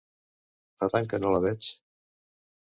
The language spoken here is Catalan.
Fa tant que no la veig...